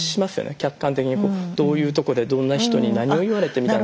客観的にどういうとこでどんな人に何を言われてみたいな。